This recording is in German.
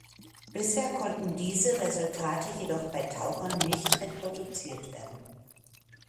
Bisher konnten diese Resultate jedoch bei Tauchern nicht reproduziert werden.